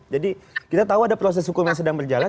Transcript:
jadi kita tahu ada proses hukum yang sedang berjalan